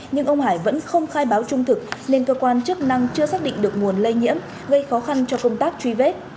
nhưng ông hải vẫn không khai báo trung thực nên cơ quan chức năng chưa xác định được nguồn lây nhiễm gây khó khăn cho công tác truy vết